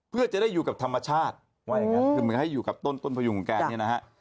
เพื่อจะได้อยู่กับธรรมชาติที่มีการให้อยู่กับต้นพระยุงของกาแพงเนี่ยนะฮะ